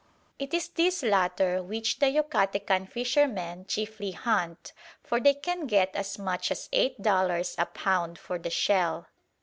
It is this latter which the Yucatecan fishermen chiefly hunt, for they can get as much as eight dollars a pound for the shell.